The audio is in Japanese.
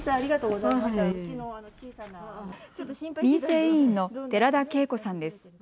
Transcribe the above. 民生委員の寺田恵子さんです。